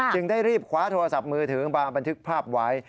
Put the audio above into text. จึงได้รีบคว้าโทรศัพท์มือถือมาบันทึกภาพไว้